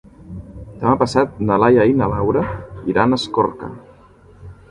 Demà passat na Laia i na Laura iran a Escorca.